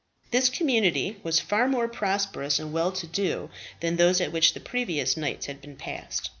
This community was far more prosperous and well to do than those at which the previous nights had been passed.